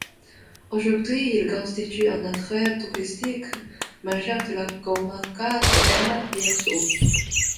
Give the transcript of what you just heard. Aujourd'hui, il constitue un attrait touristique majeur de la comarca de El Bierzo.